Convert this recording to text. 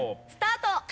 スタート！